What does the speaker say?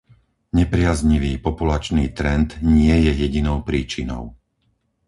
Nepriaznivý populačný trend nie je jedinou príčinou.